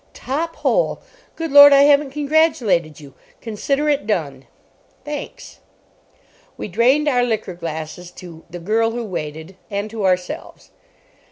"Top hole. Good Lord, I haven't congratulated you! Consider it done." "Thanks." We drained our liqueur glasses to The Girl who Waited and to ourselves.